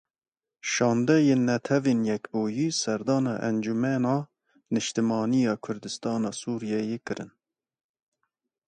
Şandeyên Netewên Yekbûyî serdana Encumena Niştimanî ya Kurdistana Sûriyeyê kirin.